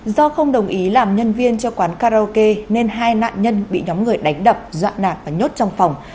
do không đồng ý làm nhân viên cho quán karaoke nên hai nạn nhân bị nhóm người đánh đập dọa nạc và nhốt trong phòng